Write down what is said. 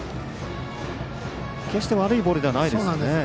決して悪いボールではないですよね。